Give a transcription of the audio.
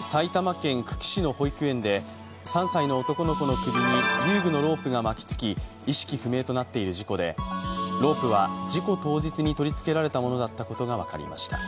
埼玉県久喜市の保育園で３歳の男の子の首に遊具のロープが巻きつき意識不明となっている事故でロープは事故当日に取り付けられたものだったことが分かりました。